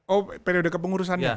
oh periode kepengurusannya